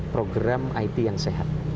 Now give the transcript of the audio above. program it yang sehat